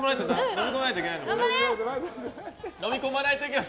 飲み込まないといけない。